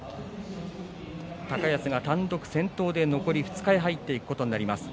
高安が単独先頭で残り２日に入っていくことになります。